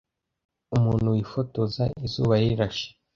umuntu wifotoza izuba rirashe